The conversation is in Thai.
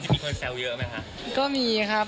มีคนแซวเยอะไหมครับ